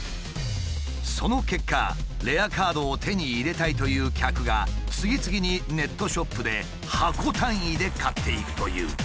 その結果レアカードを手に入れたいという客が次々にネットショップで箱単位で買っていくという。